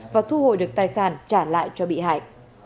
và thu hồi được tài sản trả lại cho bị hại